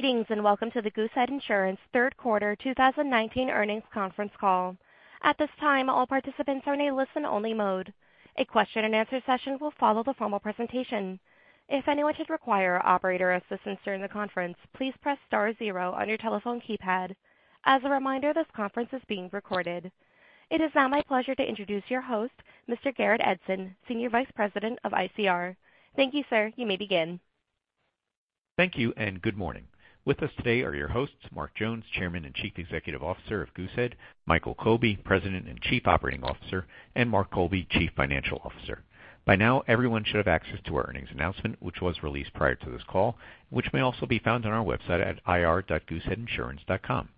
Greetings, and welcome to the Goosehead Insurance third quarter 2019 earnings conference call. At this time, all participants are in a listen-only mode. A question and answer session will follow the formal presentation. If anyone should require operator assistance during the conference, please press star zero on your telephone keypad. As a reminder, this conference is being recorded. It is now my pleasure to introduce your host, Mr. Garret Edson, Senior Vice President of ICR. Thank you, sir. You may begin. Thank you. Good morning. With us today are your hosts, Mark Jones, Chairman and Chief Executive Officer of Goosehead, Michael Colby, President and Chief Operating Officer, and Mark Colby, Chief Financial Officer. By now, everyone should have access to our earnings announcement, which was released prior to this call, which may also be found on our website at ir.gooseheadinsurance.com.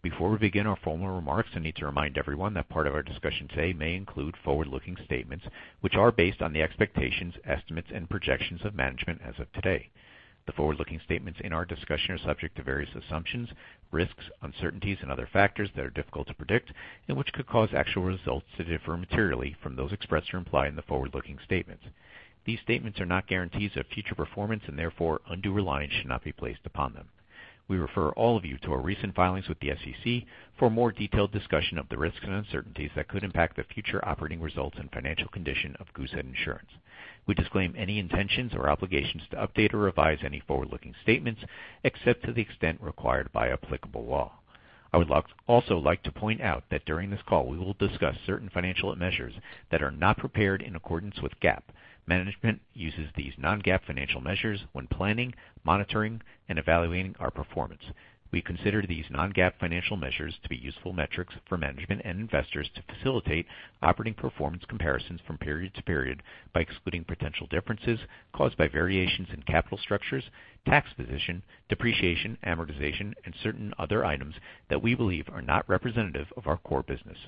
Before we begin our formal remarks, I need to remind everyone that part of our discussion today may include forward-looking statements which are based on the expectations, estimates, and projections of management as of today. The forward-looking statements in our discussion are subject to various assumptions, risks, uncertainties, and other factors that are difficult to predict and which could cause actual results to differ materially from those expressed or implied in the forward-looking statements. These statements are not guarantees of future performance. Therefore, undue reliance should not be placed upon them. We refer all of you to our recent filings with the SEC for a more detailed discussion of the risks and uncertainties that could impact the future operating results and financial condition of Goosehead Insurance. We disclaim any intentions or obligations to update or revise any forward-looking statements, except to the extent required by applicable law. I would also like to point out that during this call, we will discuss certain financial measures that are not prepared in accordance with GAAP. Management uses these non-GAAP financial measures when planning, monitoring, and evaluating our performance. We consider these non-GAAP financial measures to be useful metrics for management and investors to facilitate operating performance comparisons from period to period by excluding potential differences caused by variations in capital structures, tax position, depreciation, amortization, and certain other items that we believe are not representative of our core business.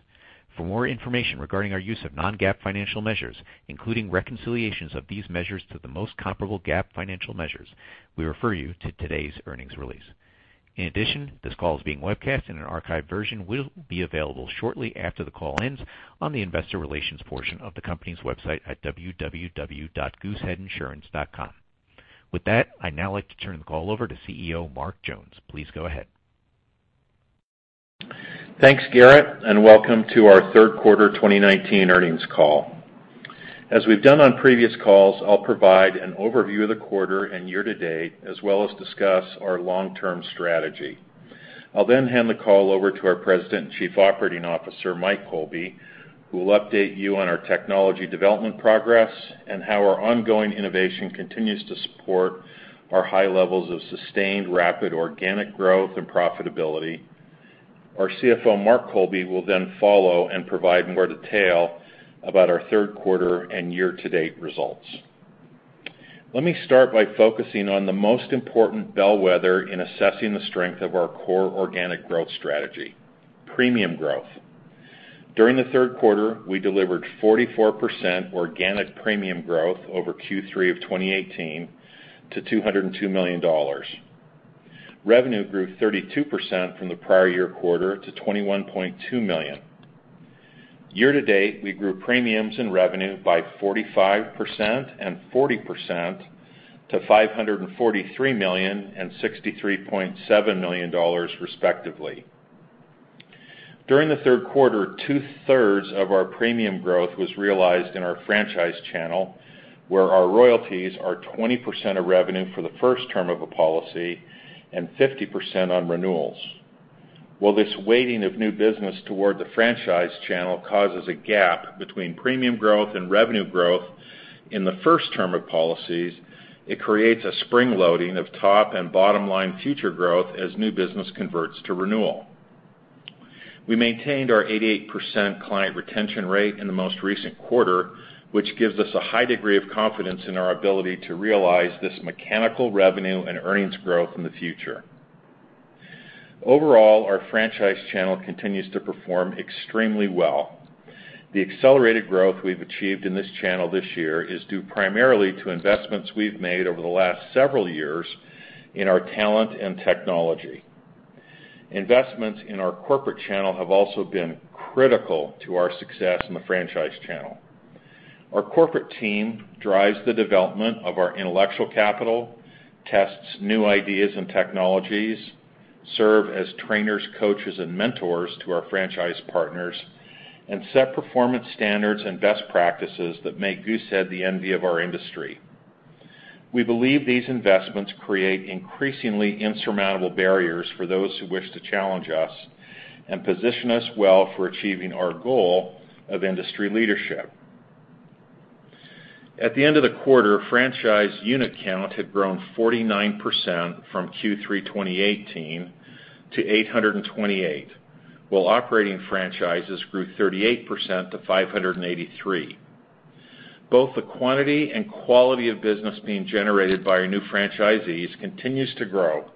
For more information regarding our use of non-GAAP financial measures, including reconciliations of these measures to the most comparable GAAP financial measures, we refer you to today's earnings release. In addition, this call is being webcast, and an archived version will be available shortly after the call ends on the investor relations portion of the company's website at www.gooseheadinsurance.com. With that, I'd now like to turn the call over to CEO Mark Jones. Please go ahead. Thanks, Garret, and welcome to our third quarter 2019 earnings call. As we've done on previous calls, I'll provide an overview of the quarter and year to date, as well as discuss our long-term strategy. I'll hand the call over to our President and Chief Operating Officer, Mike Colby, who will update you on our technology development progress and how our ongoing innovation continues to support our high levels of sustained rapid organic growth and profitability. Our CFO, Mark Miller, will follow and provide more detail about our third quarter and year-to-date results. Let me start by focusing on the most important bellwether in assessing the strength of our core organic growth strategy, premium growth. During the third quarter, we delivered 44% organic premium growth over Q3 of 2018 to $202 million. Revenue grew 32% from the prior year quarter to $21.2 million. Year-to-date, we grew premiums and revenue by 45% and 40% to $543 million and $63.7 million respectively. During the third quarter, two-thirds of our premium growth was realized in our franchise channel, where our royalties are 20% of revenue for the first term of a policy and 50% on renewals. While this weighting of new business toward the franchise channel causes a gap between premium growth and revenue growth in the first term of policies, it creates a spring loading of top and bottom-line future growth as new business converts to renewal. We maintained our 88% client retention rate in the most recent quarter, which gives us a high degree of confidence in our ability to realize this mechanical revenue and earnings growth in the future. Overall, our franchise channel continues to perform extremely well. The accelerated growth we've achieved in this channel this year is due primarily to investments we've made over the last several years in our talent and technology. Investments in our corporate channel have also been critical to our success in the franchise channel. Our corporate team drives the development of our intellectual capital, tests new ideas and technologies, serve as trainers, coaches, and mentors to our franchise partners, and set performance standards and best practices that make Goosehead the envy of our industry. We believe these investments create increasingly insurmountable barriers for those who wish to challenge us and position us well for achieving our goal of industry leadership. At the end of the quarter, franchise unit count had grown 49% from Q3 2018 to 828, while operating franchises grew 38% to 583. Both the quantity and quality of business being generated by our new franchisees continues to grow,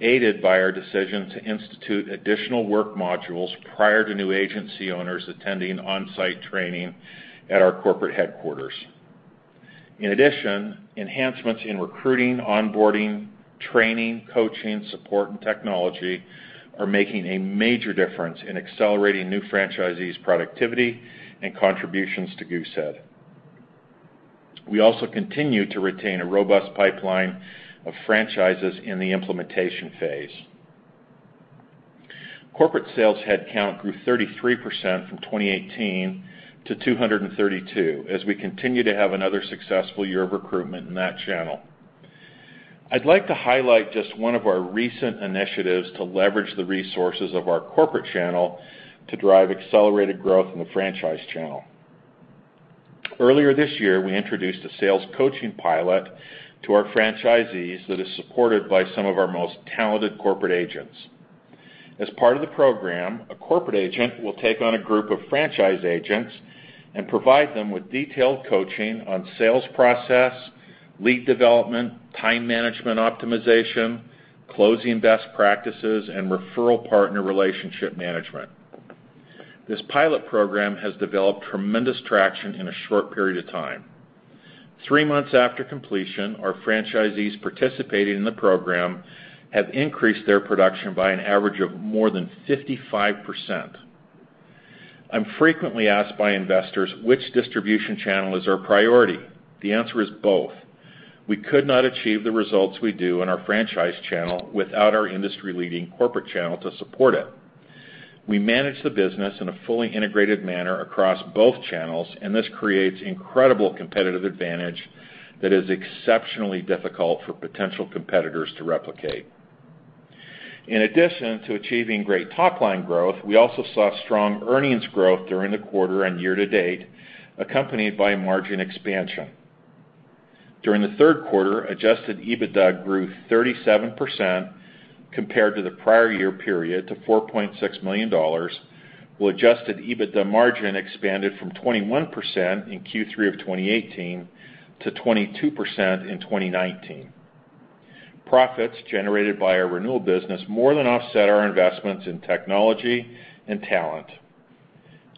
aided by our decision to institute additional work modules prior to new agency owners attending on-site training at our corporate headquarters. Enhancements in recruiting, onboarding, training, coaching, support, and technology are making a major difference in accelerating new franchisees' productivity and contributions to Goosehead. We also continue to retain a robust pipeline of franchises in the implementation phase. Corporate sales headcount grew 33% from 2018 to 232, as we continue to have another successful year of recruitment in that channel. I'd like to highlight just one of our recent initiatives to leverage the resources of our corporate channel to drive accelerated growth in the franchise channel. Earlier this year, we introduced a sales coaching pilot to our franchisees that is supported by some of our most talented corporate agents. As part of the program, a corporate agent will take on a group of franchise agents and provide them with detailed coaching on sales process, lead development, time management optimization, closing best practices, and referral partner relationship management. This pilot program has developed tremendous traction in a short period of time. Three months after completion, our franchisees participating in the program have increased their production by an average of more than 55%. I'm frequently asked by investors which distribution channel is our priority. The answer is both. We could not achieve the results we do in our franchise channel without our industry-leading corporate channel to support it. We manage the business in a fully integrated manner across both channels. This creates incredible competitive advantage that is exceptionally difficult for potential competitors to replicate. In addition to achieving great top-line growth, we also saw strong earnings growth during the quarter and year to date, accompanied by margin expansion. During the third quarter, adjusted EBITDA grew 37% compared to the prior year period to $4.6 million, while adjusted EBITDA margin expanded from 21% in Q3 of 2018 to 22% in 2019. Profits generated by our renewal business more than offset our investments in technology and talent.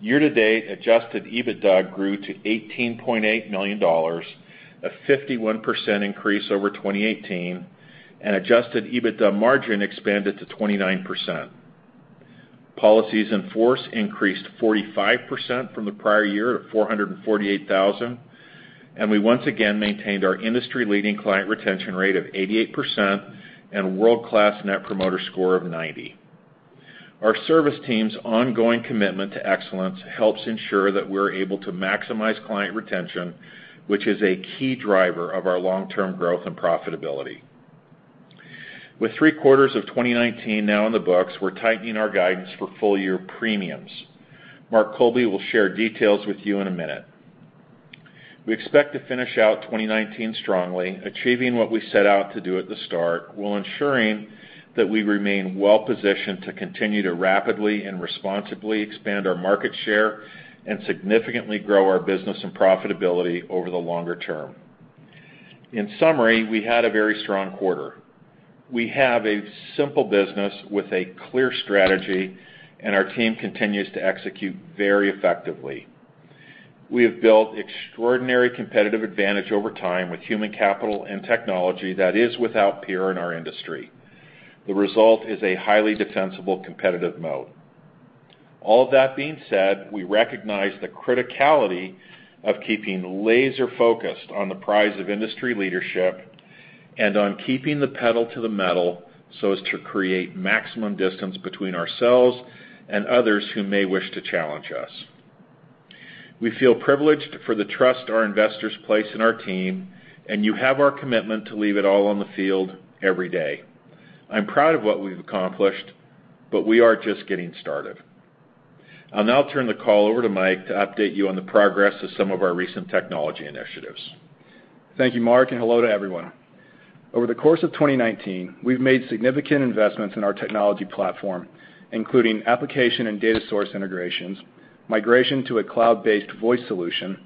Year to date, adjusted EBITDA grew to $18.8 million, a 51% increase over 2018. Adjusted EBITDA margin expanded to 29%. Policies in force increased 45% from the prior year to 448,000. We once again maintained our industry-leading client retention rate of 88% and world-class Net Promoter Score of 90. Our service team's ongoing commitment to excellence helps ensure that we're able to maximize client retention, which is a key driver of our long-term growth and profitability. With three quarters of 2019 now in the books, we're tightening our guidance for full year premiums. Mark Miller will share details with you in a minute. We expect to finish out 2019 strongly, achieving what we set out to do at the start, while ensuring that we remain well positioned to continue to rapidly and responsibly expand our market share and significantly grow our business and profitability over the longer term. In summary, we had a very strong quarter. We have a simple business with a clear strategy. Our team continues to execute very effectively. We have built extraordinary competitive advantage over time with human capital and technology that is without peer in our industry. The result is a highly defensible competitive moat. All of that being said, we recognize the criticality of keeping laser focused on the prize of industry leadership and on keeping the pedal to the metal so as to create maximum distance between ourselves and others who may wish to challenge us. We feel privileged for the trust our investors place in our team. You have our commitment to leave it all on the field every day. I'm proud of what we've accomplished. We are just getting started. I'll now turn the call over to Mike to update you on the progress of some of our recent technology initiatives. Thank you, Mark, and hello to everyone. Over the course of 2019, we've made significant investments in our technology platform, including application and data source integrations, migration to a cloud-based voice solution,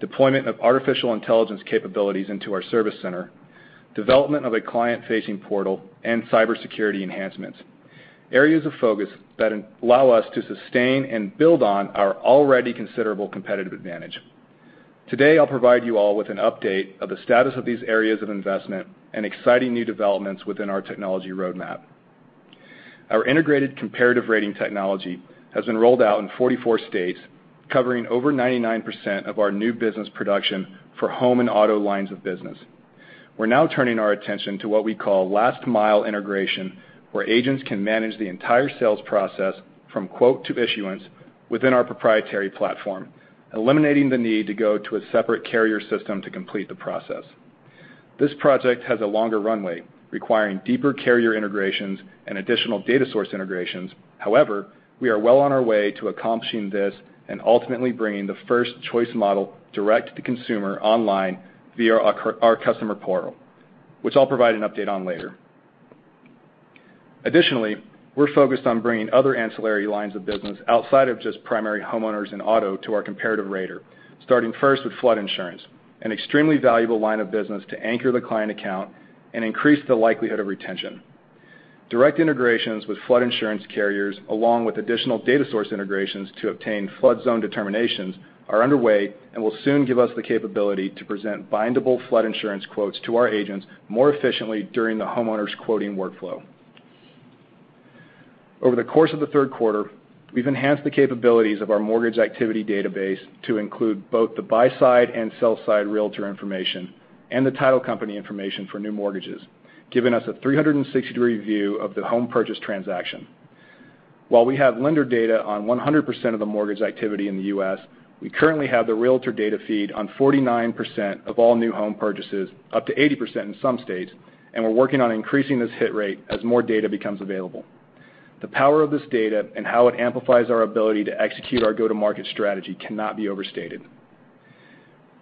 deployment of artificial intelligence capabilities into our service center, development of a client-facing portal, and cybersecurity enhancements, areas of focus that allow us to sustain and build on our already considerable competitive advantage. Today, I'll provide you all with an update of the status of these areas of investment and exciting new developments within our technology roadmap. Our integrated comparative rating technology has been rolled out in 44 states, covering over 99% of our new business production for home and auto lines of business. We're now turning our attention to what we call last mile integration, where agents can manage the entire sales process from quote to issuance within our proprietary platform, eliminating the need to go to a separate carrier system to complete the process. This project has a longer runway, requiring deeper carrier integrations and additional data source integrations. However, we are well on our way to accomplishing this and ultimately bringing the first choice model direct to consumer online via our customer portal, which I'll provide an update on later. Additionally, we're focused on bringing other ancillary lines of business outside of just primary homeowners and auto to our comparative rater, starting first with flood insurance, an extremely valuable line of business to anchor the client account and increase the likelihood of retention. Direct integrations with flood insurance carriers, along with additional data source integrations to obtain flood zone determinations, are underway and will soon give us the capability to present bindable flood insurance quotes to our agents more efficiently during the homeowner's quoting workflow. Over the course of the third quarter, we've enhanced the capabilities of our mortgage activity database to include both the buy-side and sell-side realtor information and the title company information for new mortgages, giving us a 360-degree view of the home purchase transaction. While we have lender data on 100% of the mortgage activity in the U.S., we currently have the realtor data feed on 49% of all new home purchases, up to 80% in some states, and we're working on increasing this hit rate as more data becomes available. The power of this data and how it amplifies our ability to execute our go-to-market strategy cannot be overstated.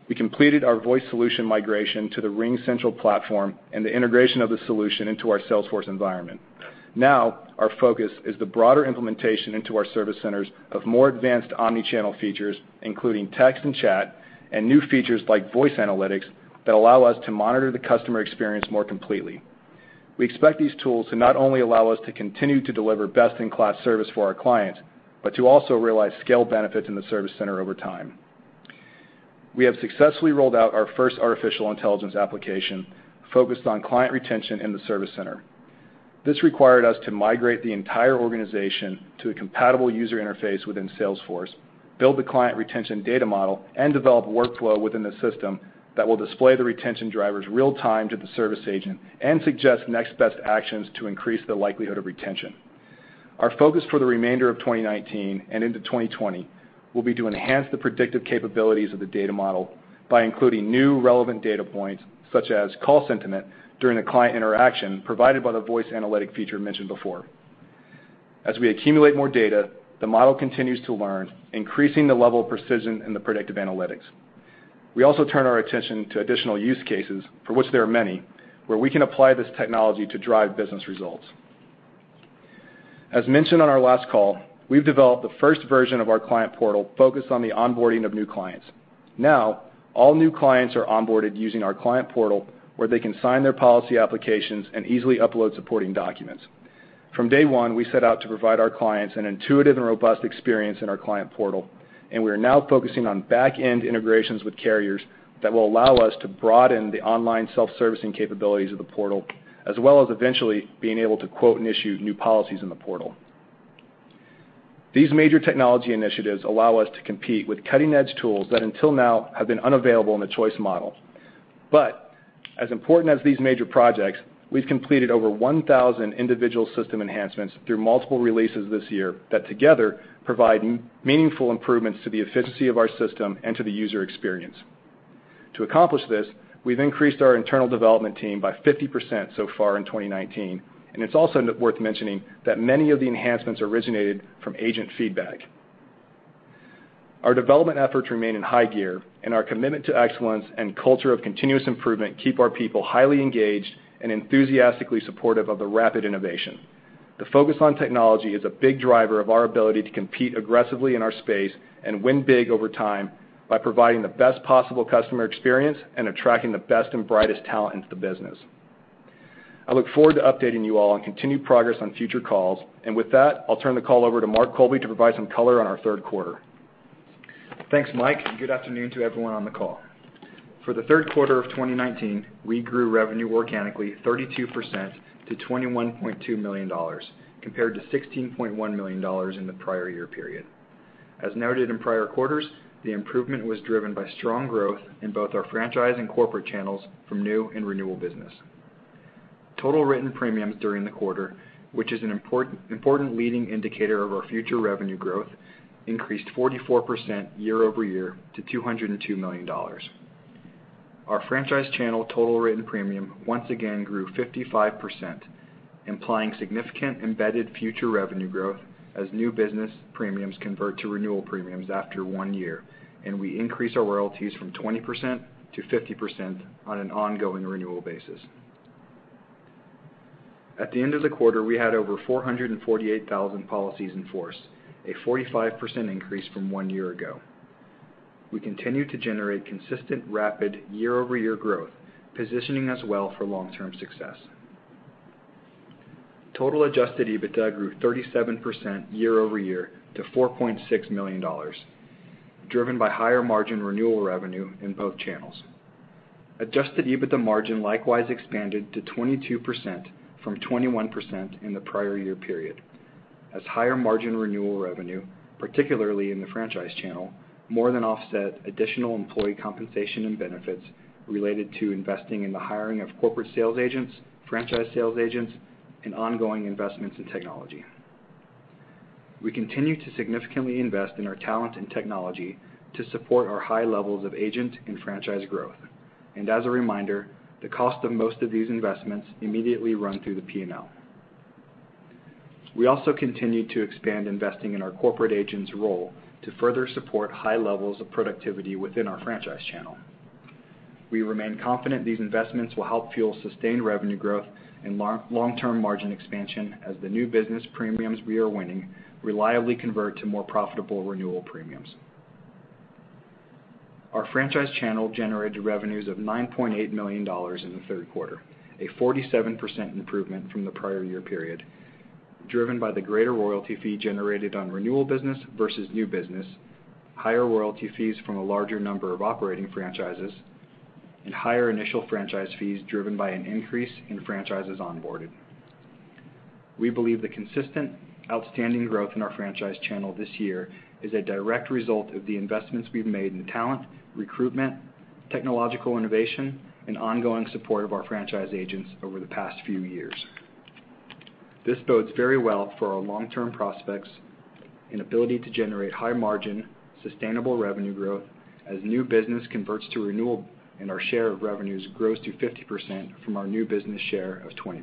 We completed our voice solution migration to the RingCentral platform and the integration of the solution into our Salesforce environment. Now, our focus is the broader implementation into our service centers of more advanced omni-channel features, including text and chat, and new features like voice analytics that allow us to monitor the customer experience more completely. We expect these tools to not only allow us to continue to deliver best-in-class service for our clients, but to also realize scale benefits in the service center over time. We have successfully rolled out our first artificial intelligence application focused on client retention in the service center. This required us to migrate the entire organization to a compatible user interface within Salesforce, build the client retention data model, and develop workflow within the system that will display the retention drivers real-time to the service agent and suggest next-best actions to increase the likelihood of retention. Our focus for the remainder of 2019 and into 2020 will be to enhance the predictive capabilities of the data model by including new relevant data points, such as call sentiment during the client interaction provided by the voice analytic feature mentioned before. As we accumulate more data, the model continues to learn, increasing the level of precision in the predictive analytics. We also turn our attention to additional use cases, for which there are many, where we can apply this technology to drive business results. As mentioned on our last call, we've developed the first version of our client portal focused on the onboarding of new clients. Now, all new clients are onboarded using our client portal, where they can sign their policy applications and easily upload supporting documents. From day one, we set out to provide our clients an intuitive and robust experience in our client portal, and we are now focusing on back-end integrations with carriers that will allow us to broaden the online self-servicing capabilities of the portal, as well as eventually being able to quote and issue new policies in the portal. These major technology initiatives allow us to compete with cutting-edge tools that until now have been unavailable in the Choice model. As important as these major projects, we've completed over 1,000 individual system enhancements through multiple releases this year that together provide meaningful improvements to the efficiency of our system and to the user experience. To accomplish this, we've increased our internal development team by 50% so far in 2019. It's also worth mentioning that many of the enhancements originated from agent feedback. Our development efforts remain in high gear. Our commitment to excellence and culture of continuous improvement keep our people highly engaged and enthusiastically supportive of the rapid innovation. The focus on technology is a big driver of our ability to compete aggressively in our space and win big over time by providing the best possible customer experience and attracting the best and brightest talent into the business. I look forward to updating you all on continued progress on future calls. With that, I'll turn the call over to Mark Miller to provide some color on our third quarter. Thanks, Mike, and good afternoon to everyone on the call. For the third quarter of 2019, we grew revenue organically 32% to $21.2 million, compared to $16.1 million in the prior year period. As noted in prior quarters, the improvement was driven by strong growth in both our franchise and corporate channels from new and renewal business. Total written premiums during the quarter, which is an important leading indicator of our future revenue growth, increased 44% year-over-year to $202 million. Our franchise channel total written premium once again grew 55%, implying significant embedded future revenue growth as new business premiums convert to renewal premiums after one year, and we increase our royalties from 20% to 50% on an ongoing renewal basis. At the end of the quarter, we had over 448,000 policies in force, a 45% increase from one year ago. We continue to generate consistent, rapid year-over-year growth, positioning us well for long-term success. Total adjusted EBITDA grew 37% year-over-year to $4.6 million, driven by higher margin renewal revenue in both channels. Adjusted EBITDA margin likewise expanded to 22% from 21% in the prior year period, as higher margin renewal revenue, particularly in the franchise channel, more than offset additional employee compensation and benefits related to investing in the hiring of corporate sales agents, franchise sales agents, and ongoing investments in technology. We continue to significantly invest in our talent and technology to support our high levels of agent and franchise growth. As a reminder, the cost of most of these investments immediately run through the P&L. We also continue to expand investing in our corporate agents role to further support high levels of productivity within our franchise channel. We remain confident these investments will help fuel sustained revenue growth and long-term margin expansion as the new business premiums we are winning reliably convert to more profitable renewal premiums. Our franchise channel generated revenues of $9.8 million in the third quarter, a 47% improvement from the prior year period, driven by the greater royalty fee generated on renewal business versus new business, higher royalty fees from a larger number of operating franchises And higher initial franchise fees driven by an increase in franchises onboarded. We believe the consistent outstanding growth in our franchise channel this year is a direct result of the investments we've made in talent, recruitment, technological innovation, and ongoing support of our franchise agents over the past few years. This bodes very well for our long-term prospects and ability to generate high margin, sustainable revenue growth as new business converts to renewal, and our share of revenues grows to 50% from our new business share of 20%.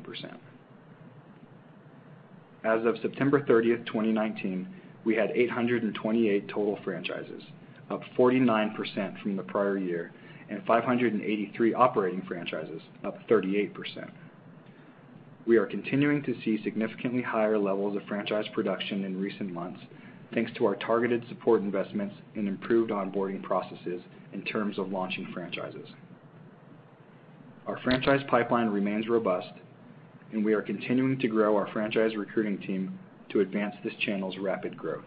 As of September 30th, 2019, we had 828 total franchises, up 49% from the prior year, and 583 operating franchises, up 38%. We are continuing to see significantly higher levels of franchise production in recent months, thanks to our targeted support investments and improved onboarding processes in terms of launching franchises. Our franchise pipeline remains robust, and we are continuing to grow our franchise recruiting team to advance this channel's rapid growth.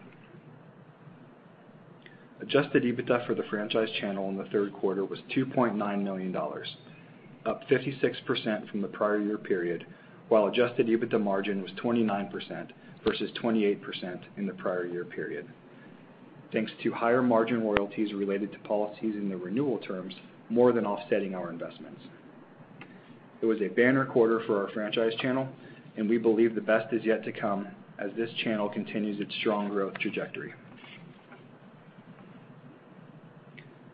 Adjusted EBITDA for the franchise channel in the third quarter was $2.9 million, up 56% from the prior year period, while adjusted EBITDA margin was 29% versus 28% in the prior year period, thanks to higher margin royalties related to policies in the renewal terms, more than offsetting our investments. It was a banner quarter for our franchise channel. We believe the best is yet to come as this channel continues its strong growth trajectory.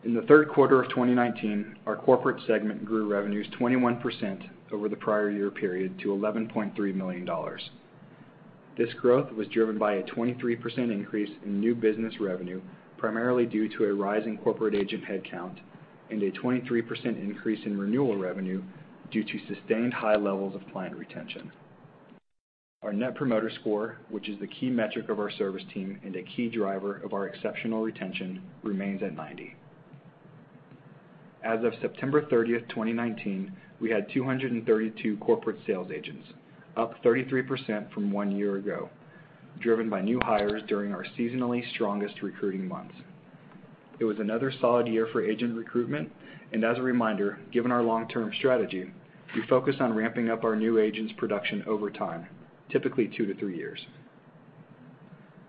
In the third quarter of 2019, our corporate segment grew revenues 21% over the prior year period to $11.3 million. This growth was driven by a 23% increase in new business revenue, primarily due to a rise in corporate agent headcount and a 23% increase in renewal revenue due to sustained high levels of client retention. Our Net Promoter Score, which is the key metric of our service team and a key driver of our exceptional retention, remains at 90. As of September 30th, 2019, we had 232 corporate sales agents, up 33% from one year ago, driven by new hires during our seasonally strongest recruiting months. It was another solid year for agent recruitment. As a reminder, given our long-term strategy, we focus on ramping up our new agents' production over time, typically two to three years.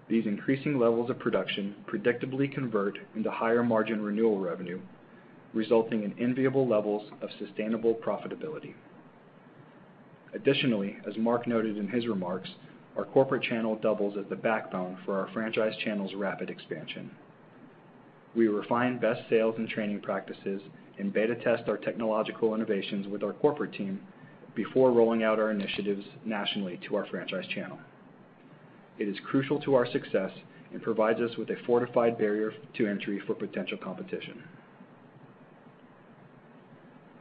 These increasing levels of production predictably convert into higher margin renewal revenue, resulting in enviable levels of sustainable profitability. Additionally, as Mark noted in his remarks, our corporate channel doubles as the backbone for our franchise channel's rapid expansion. We refine best sales and training practices and beta test our technological innovations with our corporate team before rolling out our initiatives nationally to our franchise channel. It is crucial to our success and provides us with a fortified barrier to entry for potential competition.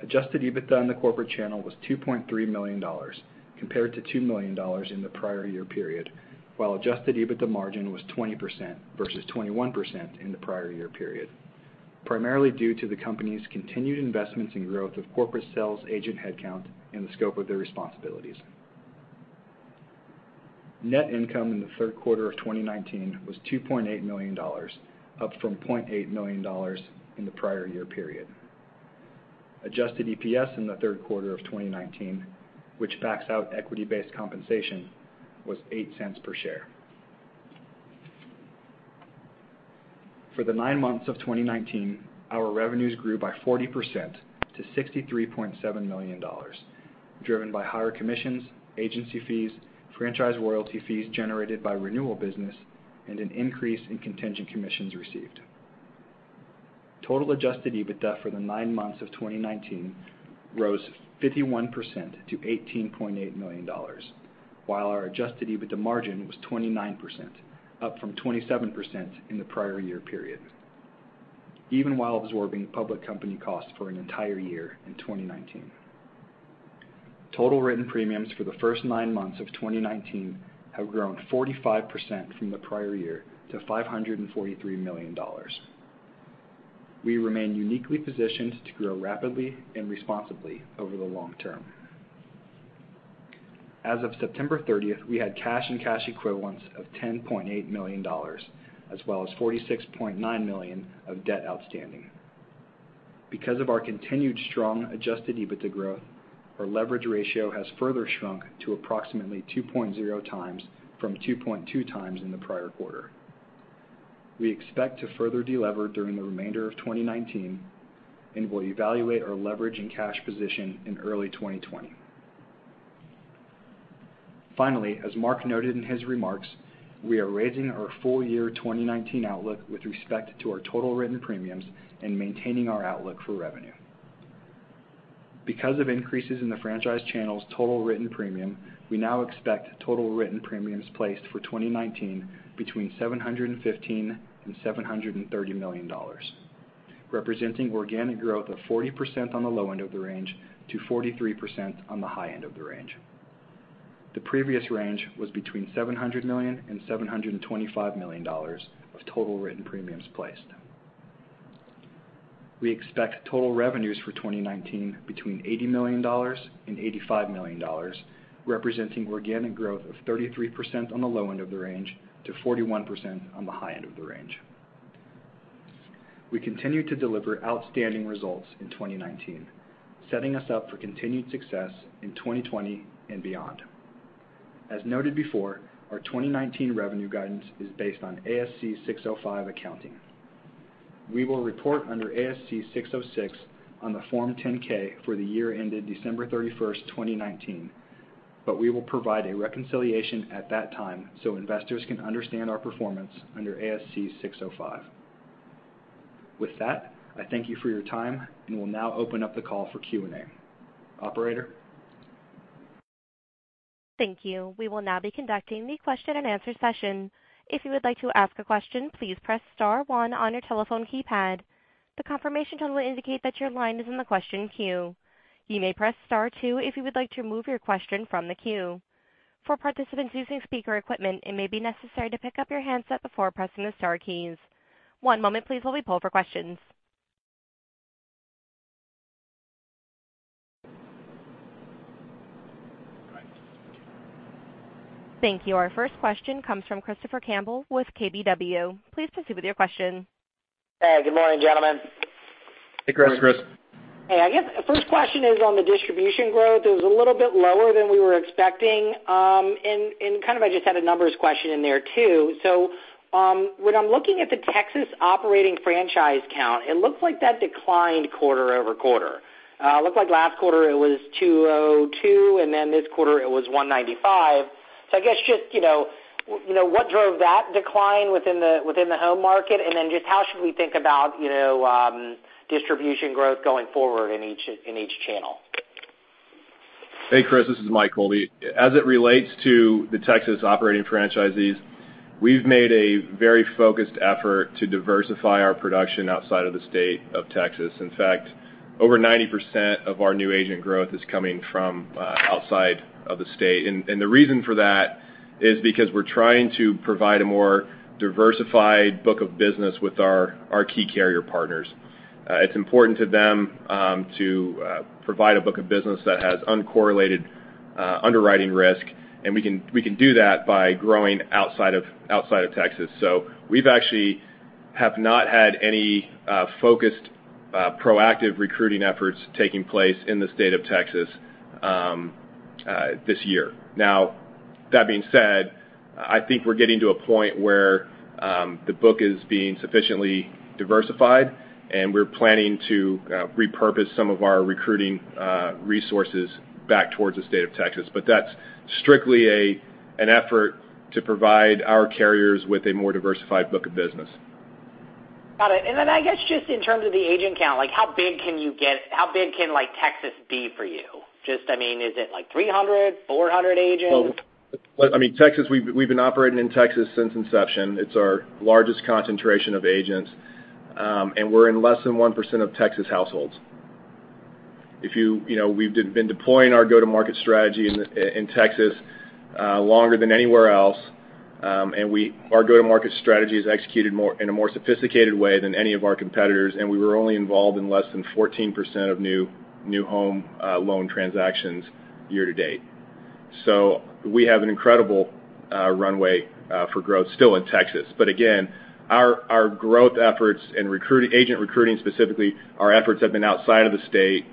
Adjusted EBITDA on the corporate channel was $2.3 million compared to $2 million in the prior year period, while adjusted EBITDA margin was 20% versus 21% in the prior year period, primarily due to the company's continued investments in growth of corporate sales agent headcount and the scope of their responsibilities. Net income in the third quarter of 2019 was $2.8 million, up from $0.8 million in the prior year period. Adjusted EPS in the third quarter of 2019, which backs out equity-based compensation, was $0.08 per share. For the nine months of 2019, our revenues grew by 40% to $63.7 million, driven by higher commissions, agency fees, franchise royalty fees generated by renewal business, and an increase in contingent commissions received. Total adjusted EBITDA for the nine months of 2019 rose 51% to $18.8 million, while our adjusted EBITDA margin was 29%, up from 27% in the prior year period, even while absorbing public company costs for an entire year in 2019. Total written premiums for the first nine months of 2019 have grown 45% from the prior year to $543 million. We remain uniquely positioned to grow rapidly and responsibly over the long term. As of September 30th, we had cash and cash equivalents of $10.8 million, as well as $46.9 million of debt outstanding. Because of our continued strong adjusted EBITDA growth, our leverage ratio has further shrunk to approximately 2.0 times from 2.2 times in the prior quarter. We expect to further de-lever during the remainder of 2019 and will evaluate our leverage and cash position in early 2020. Finally, as Mark noted in his remarks, we are raising our full year 2019 outlook with respect to our total written premiums and maintaining our outlook for revenue. Because of increases in the franchise channel's total written premium, we now expect total written premiums placed for 2019 between $715 million and $730 million, representing organic growth of 40% on the low end of the range to 43% on the high end of the range. The previous range was between $700 million and $725 million of total written premiums placed. We expect total revenues for 2019 between $80 million and $85 million, representing organic growth of 33% on the low end of the range to 41% on the high end of the range. We continue to deliver outstanding results in 2019, setting us up for continued success in 2020 and beyond. As noted before, our 2019 revenue guidance is based on ASC 605 accounting. We will report under ASC 606 on the Form 10-K for the year ending December 31st, 2019, but we will provide a reconciliation at that time so investors can understand our performance under ASC 605. With that, I thank you for your time. We'll now open up the call for Q&A. Operator? Thank you. We will now be conducting the question and answer session. If you would like to ask a question, please press star one on your telephone keypad. The confirmation tone will indicate that your line is in the question queue. You may press star two if you would like to remove your question from the queue. For participants using speaker equipment, it may be necessary to pick up your handset before pressing the star keys. One moment please while we poll for questions. Thank you. Our first question comes from Christopher Campbell with KBW. Please proceed with your question. Hey, good morning, gentlemen. Hey, Chris. Hey, Chris. Hey, I guess first question is on the distribution growth. It was a little bit lower than we were expecting. Kind of I just had a numbers question in there, too. When I'm looking at the Texas operating franchise count, it looks like that declined quarter-over-quarter. It looked like last quarter it was 202, then this quarter it was 195. I guess just, what drove that decline within the home market? Then just how should we think about distribution growth going forward in each channel? Hey, Chris. This is Mike Colby. As it relates to the Texas operating franchisees, we've made a very focused effort to diversify our production outside of the state of Texas. In fact, over 90% of our new agent growth is coming from outside of the state. The reason for that is because we're trying to provide a more diversified book of business with our key carrier partners. It's important to them to provide a book of business that has uncorrelated underwriting risk, we can do that by growing outside of Texas. We've actually have not had any focused, proactive recruiting efforts taking place in the state of Texas this year. Now, that being said, I think we're getting to a point where the book is being sufficiently diversified, we're planning to repurpose some of our recruiting resources back towards the state of Texas. That's strictly an effort to provide our carriers with a more diversified book of business. Got it. Then I guess just in terms of the agent count, how big can like Texas be for you? Just, I mean, is it like 300, 400 agents? Well, I mean, we've been operating in Texas since inception. It's our largest concentration of agents. We're in less than 1% of Texas households. We've been deploying our go-to-market strategy in Texas longer than anywhere else. Our go-to-market strategy is executed in a more sophisticated way than any of our competitors, and we were only involved in less than 14% of new home loan transactions year to date. We have an incredible runway for growth still in Texas. Again, our growth efforts and agent recruiting specifically, our efforts have been outside of the state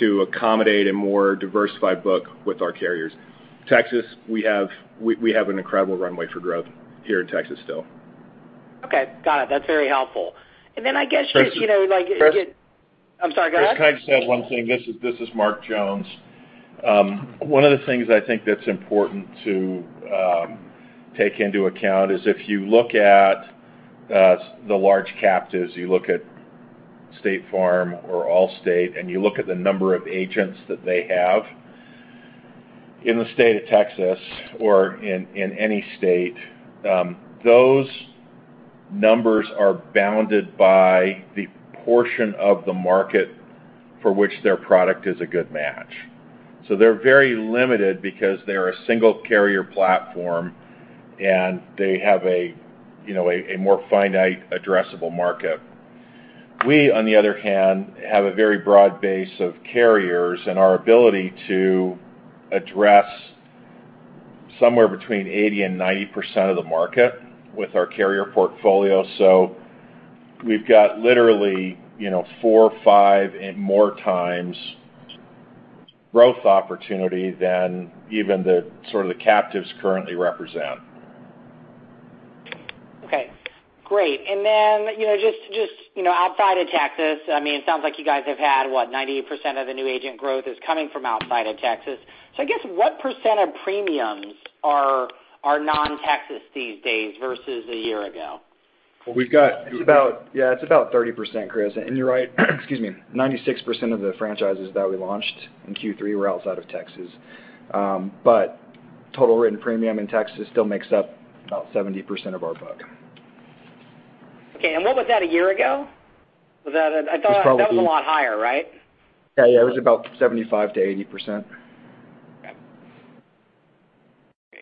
to accommodate a more diversified book with our carriers. Texas, we have an incredible runway for growth here in Texas still. Okay. Got it. That's very helpful. Chris? I'm sorry, go ahead. Chris, can I just add one thing? This is Mark Jones. One of the things I think that's important to take into account is if you look at the large captives, you look at State Farm or Allstate, and you look at the number of agents that they have in the state of Texas or in any state, those numbers are bounded by the portion of the market for which their product is a good match. They're very limited because they're a single carrier platform and they have a more finite addressable market. We, on the other hand, have a very broad base of carriers and our ability to address somewhere between 80% and 90% of the market with our carrier portfolio. We've got literally four, five, and more times growth opportunity than even the sort of the captives currently represent. Okay, great. Then just outside of Texas, I mean, it sounds like you guys have had what, 98% of the new agent growth is coming from outside of Texas. I guess what % of premiums are non-Texas these days versus a year ago? It's about 30%, Chris. You're right, excuse me, 96% of the franchises that we launched in Q3 were outside of Texas. Total written premium in Texas still makes up about 70% of our book. Okay. What was that a year ago? I thought that was a lot higher, right? Yeah, it was about 75%-80%. Okay.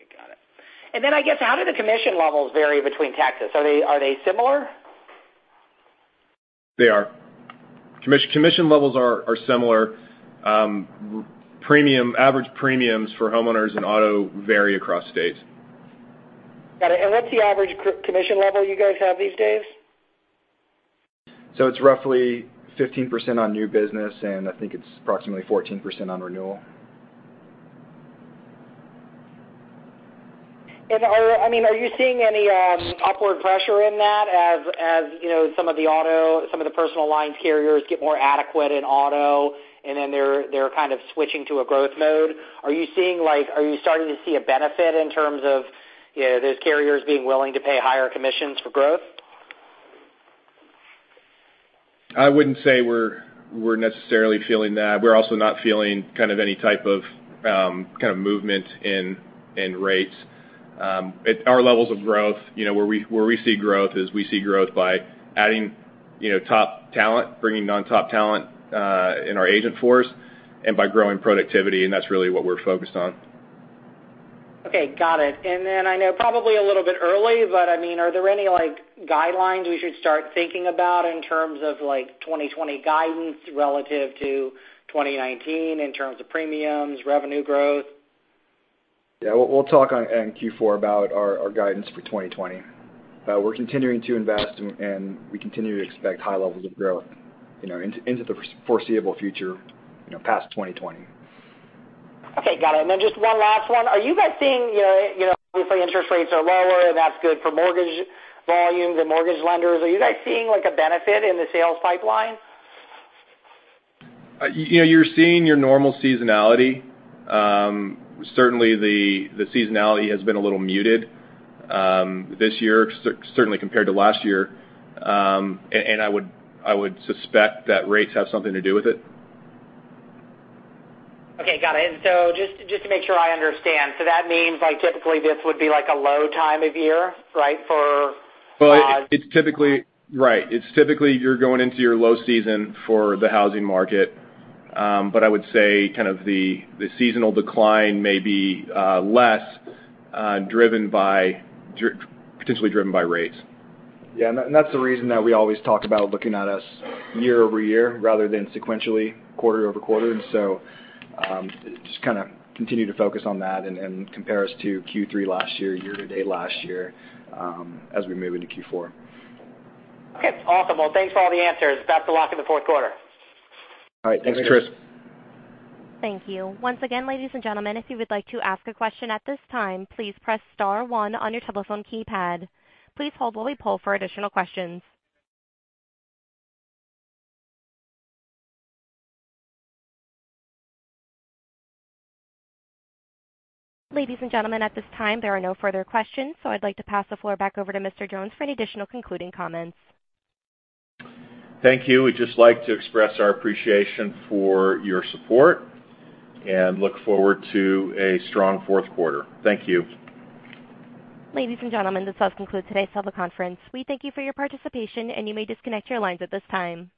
Got it. I guess, how do the commission levels vary between Texas? Are they similar? They are. Commission levels are similar. Average premiums for homeowners and auto vary across states Got it. What's the average commission level you guys have these days? It's roughly 15% on new business, and I think it's approximately 14% on renewal. Are you seeing any upward pressure in that as some of the personal lines carriers get more adequate in auto, and then they're kind of switching to a growth mode? Are you starting to see a benefit in terms of those carriers being willing to pay higher commissions for growth? I wouldn't say we're necessarily feeling that. We're also not feeling any type of movement in rates. At our levels of growth, where we see growth is we see growth by adding top talent, bringing on top talent in our agent force, and by growing productivity, and that's really what we're focused on. Okay, got it. I know probably a little bit early, but are there any guidelines we should start thinking about in terms of 2020 guidance relative to 2019 in terms of premiums, revenue growth? Yeah, we'll talk on Q4 about our guidance for 2020. We're continuing to invest, and we continue to expect high levels of growth into the foreseeable future past 2020. Okay, got it. Just one last one. Are you guys seeing, obviously interest rates are lower, and that's good for mortgage volumes and mortgage lenders. Are you guys seeing a benefit in the sales pipeline? You're seeing your normal seasonality. Certainly the seasonality has been a little muted this year, certainly compared to last year. I would suspect that rates have something to do with it. Okay, got it. Just to make sure I understand, so that means typically this would be a low time of year, right? Right. It's typically you're going into your low season for the housing market. I would say the seasonal decline may be less potentially driven by rates. Yeah, that's the reason that we always talk about looking at us year-over-year rather than sequentially quarter-over-quarter. Just kind of continue to focus on that and compare us to Q3 last year to date last year as we move into Q4. Okay, awesome. Well, thanks for all the answers. Best of luck in the fourth quarter. All right. Thanks, Chris. Thanks. Thank you. Once again, ladies and gentlemen, if you would like to ask a question at this time, please press star one on your telephone keypad. Please hold while we poll for additional questions. Ladies and gentlemen, at this time, there are no further questions, so I'd like to pass the floor back over to Mr. Jones for any additional concluding comments. Thank you. We'd just like to express our appreciation for your support and look forward to a strong fourth quarter. Thank you. Ladies and gentlemen, this does conclude today's teleconference. We thank you for your participation, and you may disconnect your lines at this time.